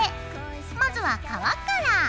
まずは皮から。